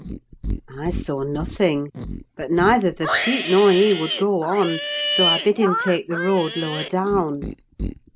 I saw nothing; but neither the sheep nor he would go on, so I bid him take the road lower down.